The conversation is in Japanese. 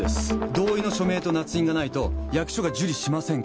同意の署名となつ印がないと役所が受理しませんから。